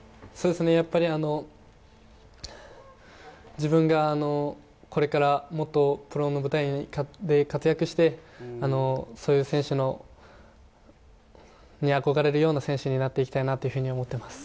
自分がこれからもっとプロの舞台で活躍して、そういう選手に憧れるような選手になっていきたいなというふうに思っています。